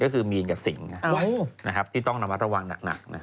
คือมีนกับสิงห์นะครับที่ต้องระวังหนัก